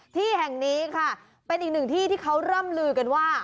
ที่แห่งนี้ค่ะเป็นอีกหนึ่งที่ที่เขาร่ำลือกันว่า